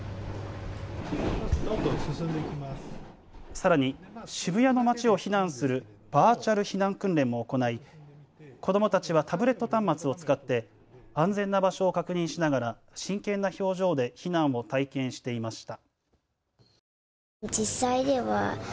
さらに渋谷の街を避難するバーチャル避難訓練も行い子どもたちはタブレット端末を使って安全な場所を確認しながら真剣な表情で避難を体験していました。